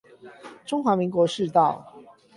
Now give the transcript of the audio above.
中華民國市道